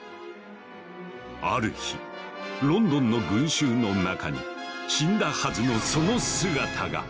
ある日ロンドンの群衆の中に死んだはずのその姿が！